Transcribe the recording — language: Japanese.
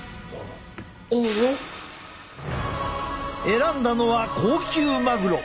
選んだのは高級マグロ。